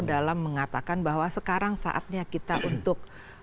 dalam mengatakan bahwa sekarang saatnya kita untuk